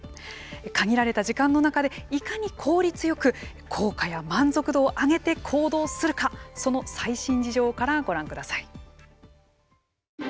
限られた時間の中でいかに効率よく効果や満足度を上げて行動するかその最新事情からご覧ください。